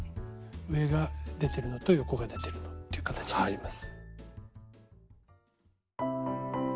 上が出てるのと横が出てるという形になります。